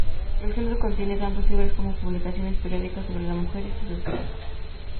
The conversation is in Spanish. El Centro contiene tanto libros como publicaciones periódicas sobre la mujer y sus escritos.